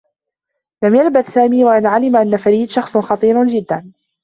لم يلبث سامي و أن علم أنّ فريد شخص خطير جدّا.